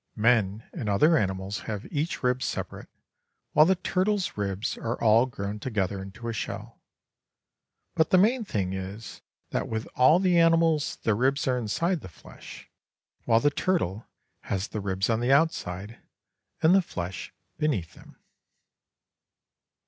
Men and other animals have each rib separate, while the turtle's ribs are all grown together into a shell. But the main thing is that with all the animals the ribs are inside the flesh, while the turtle has the ribs on the outside, and the flesh beneath them.